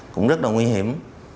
cũng rất là nguy hiểm